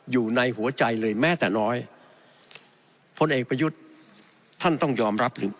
อยู่ในหัวใจเลยแม้แต่น้อยพลเอกประยุทธ์ท่านต้องยอมรับหรือ